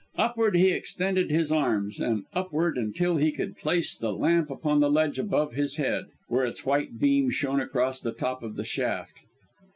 Upward he extended his arms, and upward, until he could place the lamp upon the ledge above his head, where its white beam shone across the top of the shaft.